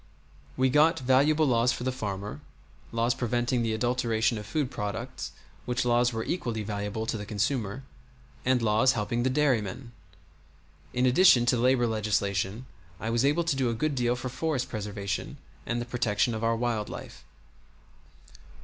We got valuable laws for the farmer; laws preventing the adulteration of food products (which laws were equally valuable to the consumer), and laws helping the dairyman. In addition to labor legislation I was able to do a good deal for forest preservation and the protection of our wild life.